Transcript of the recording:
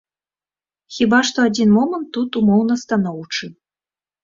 Хіба што адзін момант тут умоўна станоўчы.